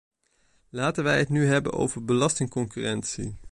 Laten wij het nu hebben over belastingconcurrentie.